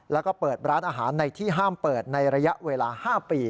แล้วก็เปิดร้านอาหารในที่ห้ามเปิดในระยะเวลา๕ปี